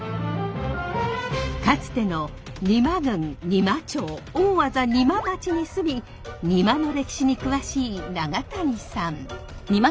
かつての邇摩郡仁摩町大字仁万町に住みにまの歴史に詳しい長谷さん。